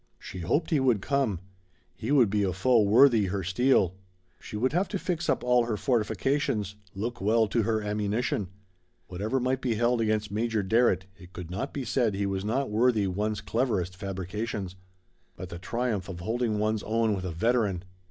She hoped he would come. He would be a foe worthy her steel. She would have to fix up all her fortifications look well to her ammunition. Whatever might be held against Major Darrett it could not be said he was not worthy one's cleverest fabrications. But the triumph of holding one's own with a veteran!